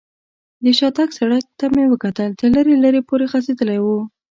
د شاتګ سړک ته مې وکتل، تر لرې لرې پورې غځېدلی و.